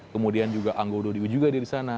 kemudian juga anggodo diuji juga di sana